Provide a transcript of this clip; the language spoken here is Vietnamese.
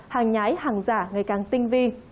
hàng nhái hàng giả ngày càng tinh vi